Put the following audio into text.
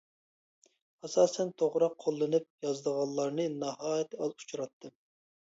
ئاساسەن توغرا قوللىنىپ يازىدىغانلارنى ناھايىتى ئاز ئۇچراتتىم.